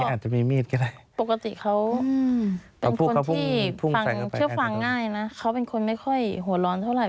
อ่าปกติเขาเป็นคนที่เชื่อฟังง่ายนะเขาเป็นคนไม่ค่อยหัวร้อนเท่าไหร่